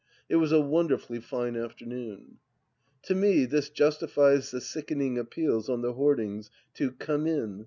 It was a wonderfully fine afternoon. To me this justifies the sickening appeals on the hoardings to " Come In